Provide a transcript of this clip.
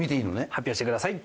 発表してください。